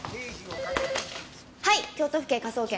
はい京都府警科捜研。